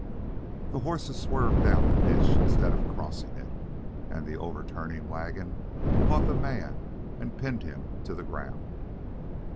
The horses swerved down the ditch instead of crossing it, and the overturning wagon caught the man and pinned him to the ground.